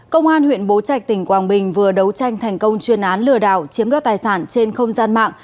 công an huyện bố trạch tỉnh quảng bình vừa đấu tranh thành công chuyên án lừa đảo chiếm đo tài sản trên không gian mạng